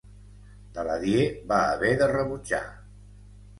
Daladier va haver de rebutjar.